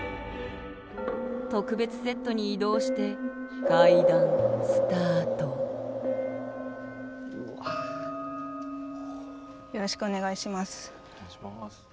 特別セットに移動してよろしくお願いします。